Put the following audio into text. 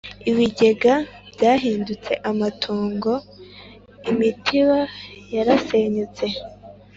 Ibigega byahindutse amatongo Imitiba yarasenyutse